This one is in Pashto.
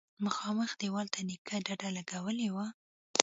مخامخ دېوال ته نيکه ډډه لگولې وه.